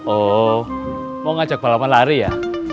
oh mau ngajak balapan lari ya